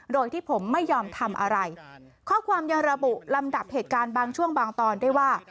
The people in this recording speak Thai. โดยที่ผมไม่ยอมทำอะไรข้อความยังระบุลำดับเหตุการณ์บางช่วงบางตอนได้ว่า